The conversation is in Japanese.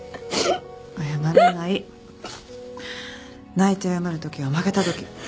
泣いて謝るときは負けたとき。